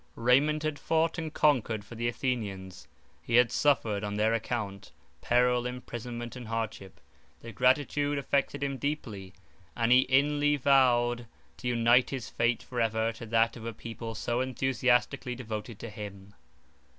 Raymond had fought and conquered for the Athenians; he had suffered, on their account, peril, imprisonment, and hardship; their gratitude affected him deeply, and he inly vowed to unite his fate for ever to that of a people so enthusiastically devoted to him.